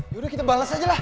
yaudah kita balas aja lah